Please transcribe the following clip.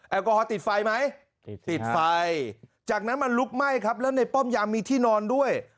แอลกอฮอลติดไฟไหมติดไฟจากนั้นมันลุกไหม้ครับแล้วในป้อมยามมีที่นอนด้วย